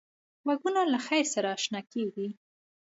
غوږونه له خیر سره اشنا کېږي